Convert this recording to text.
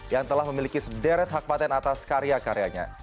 yang telah memiliki sederet hak paten atas karya karyanya